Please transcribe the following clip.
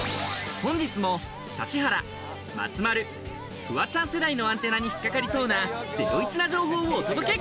本日も指原、松丸、フワちゃん世代のアンテナに引っ掛かりそうなゼロイチな情報をお届け！